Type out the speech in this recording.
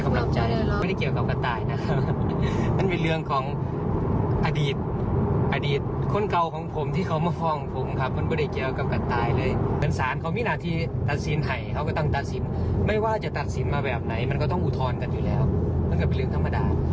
มันก็ต้องอุทธรณ์กันอยู่แล้วมันก็เป็นเรื่องธรรมดา